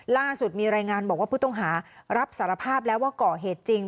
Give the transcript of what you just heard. ล่าสุดมีรายงานบอกว่าผู้ต้องหารับสารภาพแล้วว่าก่อเหตุจริง